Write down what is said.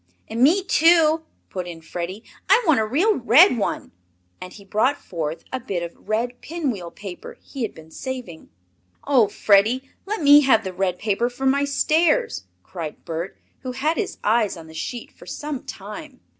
"And me, too," put in Freddie. "I want a real red one," and he brought forth a bit of red pin wheel paper he had been saving. "Oh, Freddie, let me have the red paper for my stairs," cried Bert, who had had his eyes on the sheet for some time.